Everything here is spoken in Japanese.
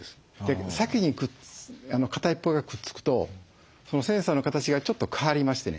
先に片一方がくっつくとそのセンサーの形がちょっと変わりましてね